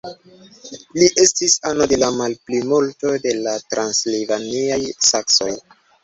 Li estis ano de la malplimulto de la transilvaniaj saksoj.